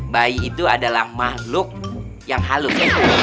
bayi itu adalah makhluk yang halus